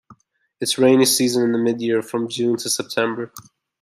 Its rainy season is in mid-year, from June to September.